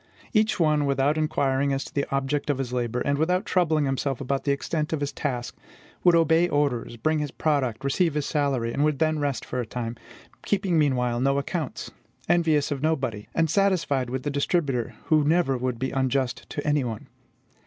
Each one, without inquiring as to the object of his labor, and without troubling himself about the extent of his task, would obey orders, bring his product, receive his salary, and would then rest for a time; keeping meanwhile no accounts, envious of nobody, and satisfied with the distributor, who never would be unjust to any one.